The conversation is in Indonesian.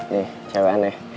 nih cewek aneh